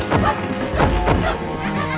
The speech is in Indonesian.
untuk mendapatkan informasi terbaru